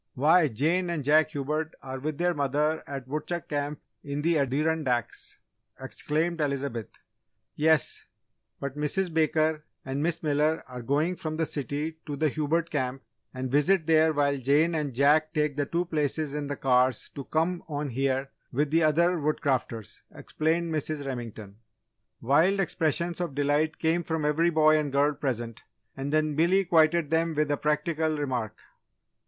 "Why, Jane and Jack Hubert are with their mother at Woodchuck Camp in the Adirondacks!" exclaimed Elizabeth. "Yes, but Mrs. Baker and Miss Miller are going from the city to the Hubert Camp and visit there while Jane and Jack take the two places in the cars to come on here with the other Woodcrafters," explained Mrs. Remington. Wild expressions of delight came from every boy and girl present and then Billy quieted them with a practical remark.